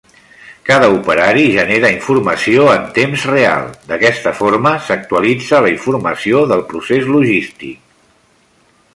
Cada operari genera informació en temps real, d’aquesta forma s’actualitza la informació del procés logístic.